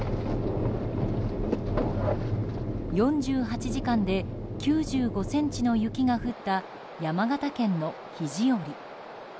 ４８時間で９５ｃｍの雪が降った山形県の肘折。